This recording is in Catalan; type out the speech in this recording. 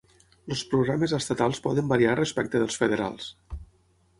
Els programes estatals poden variar respecte dels federals.